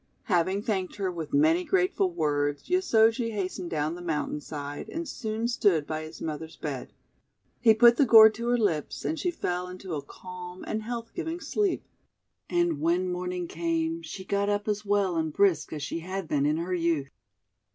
Having thanked her with many grateful words, Yosoji hastened down the mountain side, and soon stood by his mother's bed. He put the gourd to her lips, and she fell into a calm and health giving sleep. And when morning came she got up as well and brisk as she had been in her youth.